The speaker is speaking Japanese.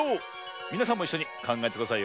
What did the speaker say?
みなさんもいっしょにかんがえてくださいよ。